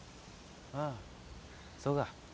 ああそうか。